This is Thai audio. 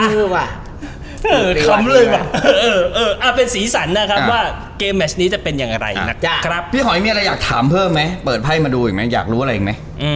อเจมส์เป็นความสีสันว่าเกมแมชนี้จะเป็นอย่างไรพี่ขอให้มีอะไรอยากถามเพิ่มไหม